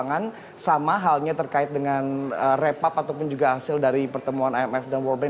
dan keuangan sama halnya terkait dengan repup ataupun juga hasil dari pertemuan imf dan world bank